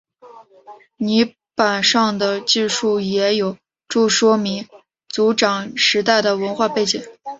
泥版上的记述也有助说明族长时代的文化背景。